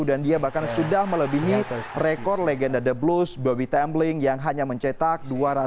dan dia bahkan sudah melebihi rekor legenda the blues bobby tambling yang hanya mencetak